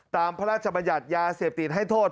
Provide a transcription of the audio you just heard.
พระราชบัญญัติยาเสพติดให้โทษ